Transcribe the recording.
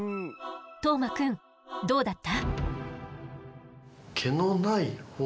當眞くんどうだった？